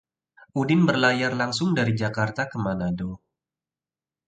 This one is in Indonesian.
Udin berlayar langsung dari Jakarta ke Manado